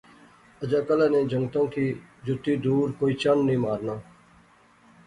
اجا کلا نے جنگُتاں کی جُتی دور کوئی چنڈ نی مارنا